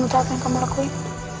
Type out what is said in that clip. kamu tau apa yang kamu lakuin